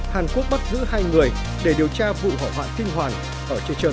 hàn quốc bắt giữ hai người để điều tra vụ hỏa hoạn kinh hoàng ở trê trân